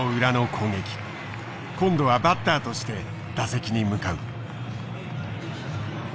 今度はバッターとして打席に向かう。